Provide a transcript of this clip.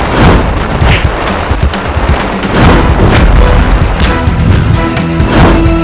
tetapi foren pakaiannya